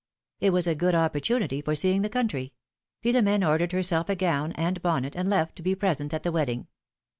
It was a good opportunity for seeing the country: Philom^ne ordered herself a gown and bonnet, and left, to be present at the wedding.